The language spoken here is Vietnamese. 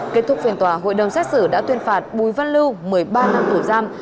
kết thúc phiền tòa hội đồng xét xử đã tuyên phạt bùi văn lưu một mươi ba năm tù giam